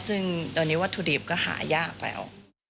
ซึ่งตอนนี้วัตถุดิบก็หายากแล้ว